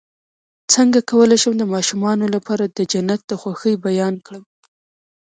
څنګه کولی شم د ماشومانو لپاره د جنت د خوښۍ بیان کړم